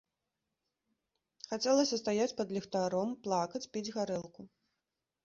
Хацелася стаяць пад ліхтаром, плакаць, піць гарэлку.